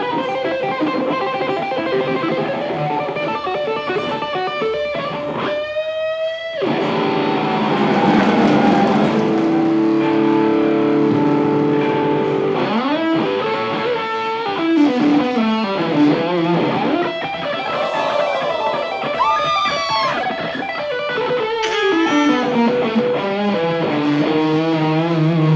ป่ะอายุเท่าไรแล้วอายุเท่าไร